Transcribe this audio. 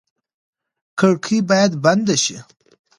کړکۍ باید بنده شي.